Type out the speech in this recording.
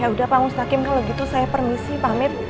yaudah pak ustakim kalau gitu saya permisi pamit